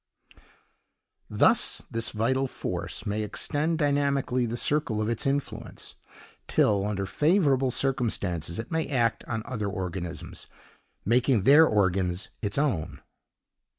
Thus, this vital force may extend dynamically the circle of its influence, till, under favorable circumstances, it may act on other organisms, making their organs its own.